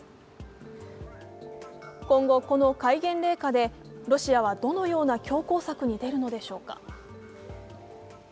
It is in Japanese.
今後、この戒厳令下でロシアはどのような強硬策に出るのでしょうか。